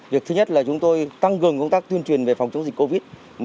việc thứ nhất là chúng tôi tăng cường công tác tuyên truyền về phòng chống dịch covid một mươi chín